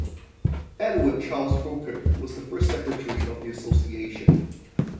Edward Charles Volkert was the first Secretary of the Association.